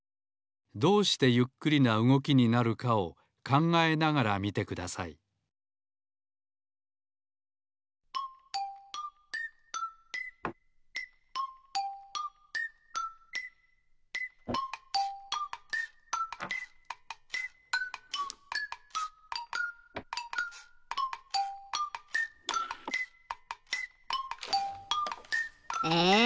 どうしてゆっくりなうごきになるかを考えながら見てくださいえ